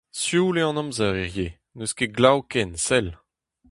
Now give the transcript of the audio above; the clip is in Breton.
Sioul eo an amzer hiziv, n'eus ket glav ken, sell !